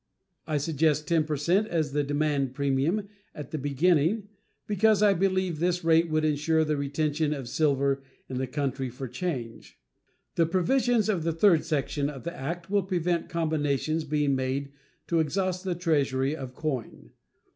I suggest 10 per cent as the demand premium at the beginning because I believe this rate would insure the retention of silver in the country for change. The provisions of the third section of the act will prevent combinations being made to exhaust the Treasury of coin.